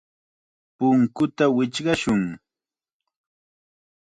Punkuta wichqashun.